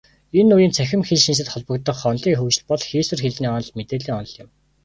Энэ үеийн цахим хэлшинжлэлд холбогдох онолын хөгжил бол хийсвэр хэлний онол, мэдээллийн онол юм.